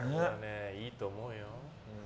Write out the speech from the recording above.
いいと思うよ。